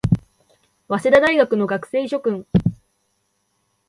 早稲田大学の学生諸君